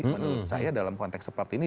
menurut saya dalam konteks seperti ini